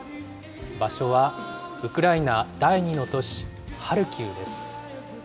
場所はウクライナ第２の都市ハルキウです。